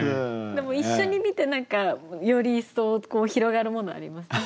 でも一緒に見て何かより一層広がるものありますね。